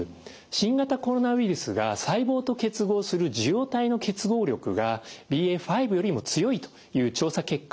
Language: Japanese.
新型コロナウイルスが細胞と結合する受容体の結合力がＢＡ．５よりも強いという調査結果があります。